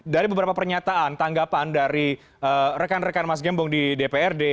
dari beberapa pernyataan tanggapan dari rekan rekan mas gembong di dprd